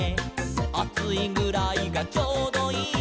「『あついぐらいがちょうどいい』」